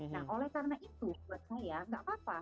nah oleh karena itu buat saya nggak apa apa